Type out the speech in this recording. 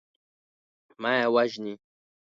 مه یې وژنی.